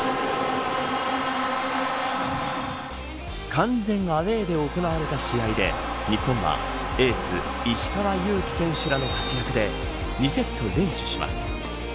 完全アウェーで行われた試合で日本は、エース石川祐希選手らの活躍で２セット連取します。